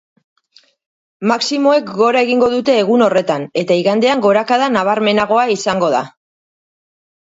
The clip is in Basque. Maximoek gora egingo dute egun horretan, eta igandean gorakada nabarmenagoa izango da.